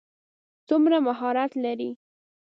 څومره مهارت لري.